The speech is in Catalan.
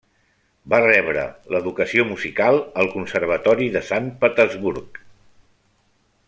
Va rebre l'educació musical al Conservatori de Sant Petersburg.